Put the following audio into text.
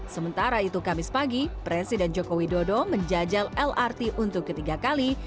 sementara itu kamis pagi presiden joko widodo menjajal lrt untuk ketiga kali